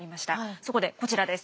そこでこちらです。